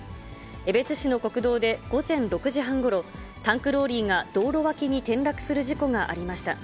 江別市の国道で午前６時半ごろ、タンクローリーが道路脇に転落する事故がありました。